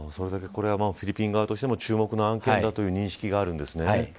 これはフィリピン側としても注目の案件だという認識があるんですね。